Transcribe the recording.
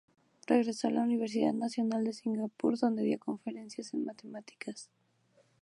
Regresó a la Universidad Nacional de Singapur donde dio conferencias en matemáticas.